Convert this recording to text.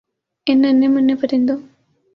ان ننھے مننھے پرندوں